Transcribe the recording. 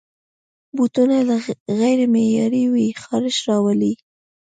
بوټونه که غیر معیاري وي، خارش راولي.